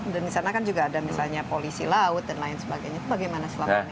dan disana kan juga ada misalnya polisi laut dan lain sebagainya